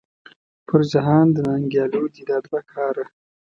پر جهان د ننګیالو دې دا دوه کاره .